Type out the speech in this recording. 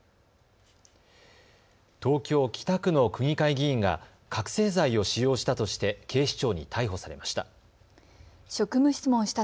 東京北区の区議会議員が覚醒剤を使用したとして警視庁に逮捕されました。